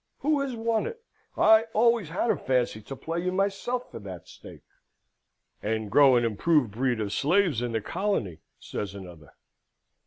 Who has won it? I always had a fancy to play you myself for that stake." "And grow an improved breed of slaves in the colony," says another.